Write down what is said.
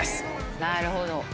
なるほど。